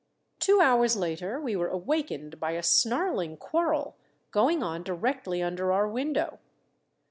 Two hours later we were awakened by a snarling quarrel going on directly under our window.